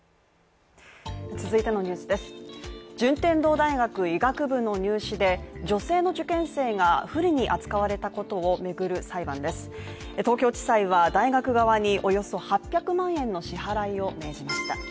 順天堂大学医学部の入試で女性の受験生が不利に扱われたことを巡る裁判です東京地裁は大学側におよそ８００万円の支払いを命じました。